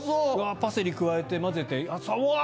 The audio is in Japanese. パセリ加えて混ぜてうわっ！